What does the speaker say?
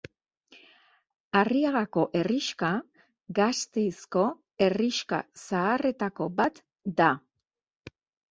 Arriagako herrixka Gasteizko herrixka zaharretako bat da.